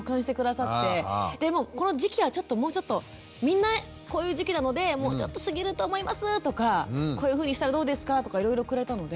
でもうこの時期はちょっともうちょっとみんなこういう時期なのでもうちょっと過ぎると思いますとかこういうふうにしたらどうですか？とかいろいろくれたので。